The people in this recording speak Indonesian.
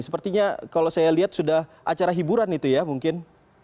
sepertinya kalau saya lihat sudah acara hiburan itu ya mungkin